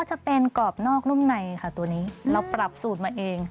คือกลำนอกน่อนุ่มในถ่ายด้วยปรับสูตรมาเอง